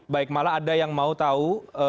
baik malah ada yang mau tahu